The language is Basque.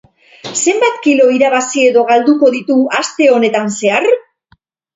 Zenbat kilo irabazi edo galduko ditu aste honetan zehar?